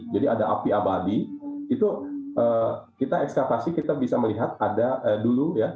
jadi ada api abadi kita ekskavasi kita bisa melihat ada dulu